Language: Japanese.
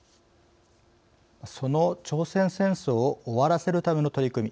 その朝鮮戦争を終わらせるための取り組み